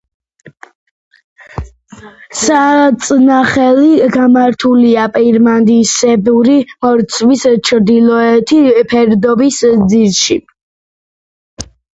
საწნახელი გამართულია პირამიდისებური ბორცვის ჩრდილოეთი ფერდობის ძირში.